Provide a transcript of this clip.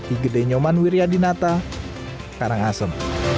igede nyoman wiryadinata karangasem